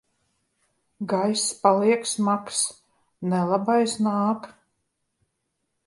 Gaiss paliek smags. Nelabais nāk!